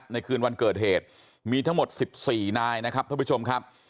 ในคืนวันเกิดเหตุมีทั้งหมด๑๔นายนะครับท่านผู้ชมครับ